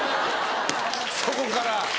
そこから。